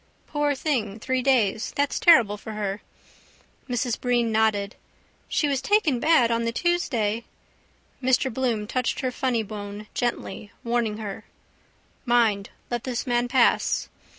Poor thing! Three days! That's terrible for her. Mrs Breen nodded. —She was taken bad on the Tuesday... Mr Bloom touched her funnybone gently, warning her: —Mind! Let this man pass.